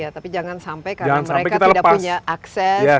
tapi jangan sampai karena mereka tidak punya akses